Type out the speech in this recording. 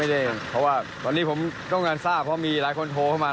เดี๋ยวเพราะอยู่ในกายควบคุมแล้วต้องขออนุญาต